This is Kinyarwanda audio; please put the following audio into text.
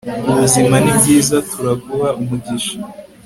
Ubuzima nibyiza turaguha umugisha